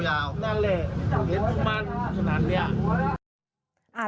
นั่นแหละเจ๊บมันนั้น